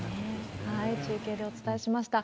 中継でお伝えしました。